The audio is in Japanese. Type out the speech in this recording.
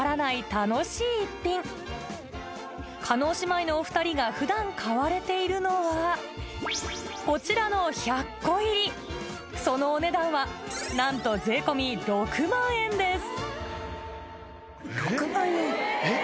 楽しい１品叶姉妹のお２人が普段買われているのはこちらの１００個入りそのお値段はなんと税込み６万円ですえっ？